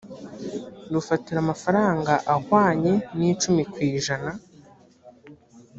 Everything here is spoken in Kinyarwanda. rufatira amafaranga ahwanye n icumi ku ijana